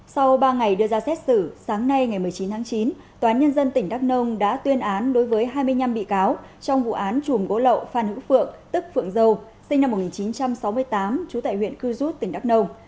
sau ba ngày đưa ra xét xử sáng nay ngày một mươi chín tháng chín tòa án nhân dân tỉnh đắk nông đã tuyên án đối với hai mươi năm bị cáo trong vụ án chùm gỗ lậu phan hữu phượng tức phượng dâu sinh năm một nghìn chín trăm sáu mươi tám trú tại huyện cư rút tỉnh đắk nông